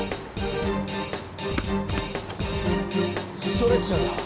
ストレッチャーだ。